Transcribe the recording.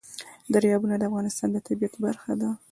دریابونه د افغانستان د طبیعت برخه ده.